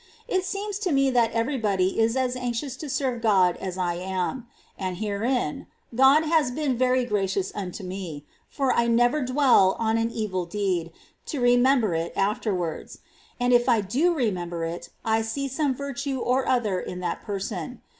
It seems to me that every body is as anxious to serve God as I am. And herein God has been very gracious unto me, for I never dwell on an evil deed, to remember it afterwards ; and if I do remember it, I see some virtue or other in that person.